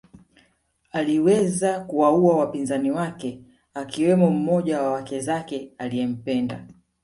Aliweza kuwaua wapinzani wake akiwemo mmoja wa wake zake aliempenda